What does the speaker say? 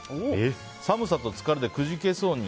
寒さと疲れでくじけそうに。